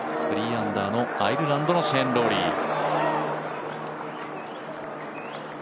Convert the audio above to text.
３アンダーのアイルランドのシェーン・ローリー。